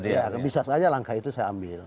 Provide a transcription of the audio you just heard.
ya bisa saja langkah itu saya ambil